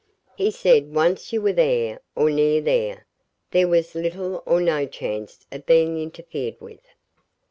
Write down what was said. He said once you were there, or near there, there was little or no chance of being interfered with.